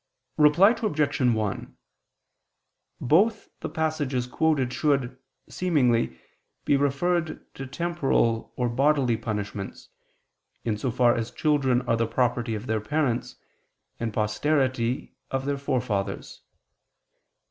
Reply Obj. 1: Both the passages quoted should, seemingly, be referred to temporal or bodily punishments, in so far as children are the property of their parents, and posterity, of their forefathers.